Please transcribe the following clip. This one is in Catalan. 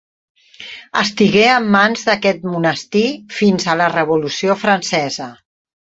Estigué en mans d'aquest monestir fins a la Revolució Francesa.